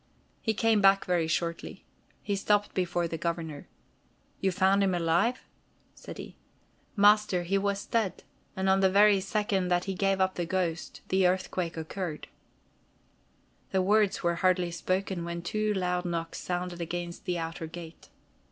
He came back very shortly. He stopped before the Governor. "You found him alive?" said he. "Master, he was dead, and on the very second that he gave up the ghost, the earthquake occurred." The words were hardly spoken when two loud knocks sounded against the outer gate.